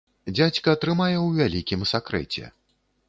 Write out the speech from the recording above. Дзядзька трымае ў вялікім сакрэце.